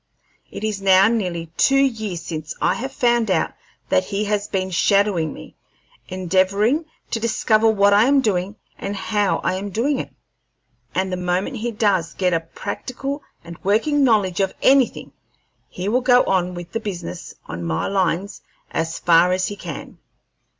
It is now nearly two years since I have found out that he has been shadowing me, endeavoring to discover what I am doing and how I am doing it; and the moment he does get a practical and working knowledge of anything, he will go on with the business on my lines as far as he can.